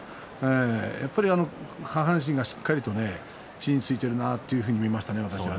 やっぱり下半身がしっかりと地に着いているなと見えましたね